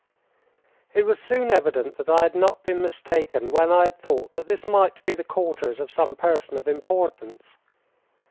It was soon evident that I had not been mistaken when I had thought that this might be the quarters of some person of importance.